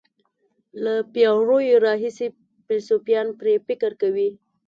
له پېړیو راهیسې فیلسوفان پرې فکر کوي.